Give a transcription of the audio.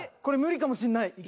これ無理かもしんない。